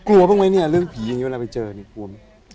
กลัวบ้างไหมเนี่ยเรื่องผีอย่างนี้เวลาไปเจอนี่กลัวไหม